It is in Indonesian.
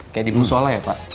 kayak dibusola ya pak